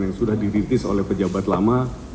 yang sudah dirintis oleh pejabat lama